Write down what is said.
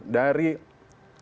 dari camat hadir